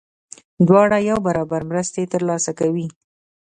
دواړه یو برابر مرستې ترلاسه کوي.